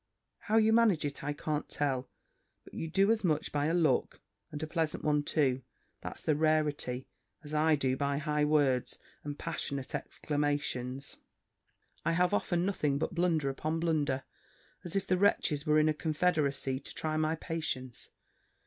How you manage it, I can't tell; but you do as much by a look, and a pleasant one too, that's the rarity! as I do by high words, and passionate exclamations: I have often nothing but blunder upon blunder, as if the wretches were in a confederacy to try my patience."